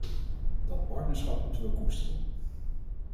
Dat partnerschap moeten we koesteren.